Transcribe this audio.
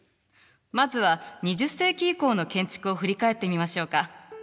まずは２０世紀以降の建築を振り返ってみましょうか。